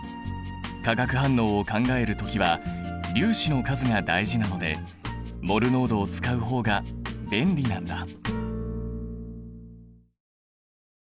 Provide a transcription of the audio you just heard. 化学反応を考えるときは粒子の数が大事なのでモル濃度を使う方が便利なんだ。